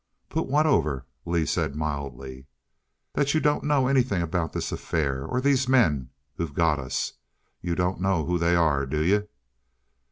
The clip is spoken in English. "Put what over?" Lee said mildly. "That you don't know anything about this affair or these men who've got us you don't know who they are, do you?"